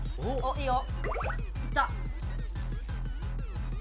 いいよ！